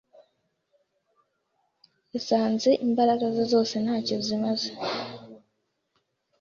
Yasanze imbaraga ze zose ntacyo zimaze.